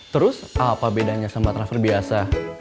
terus apa bedanya sama transfer biasa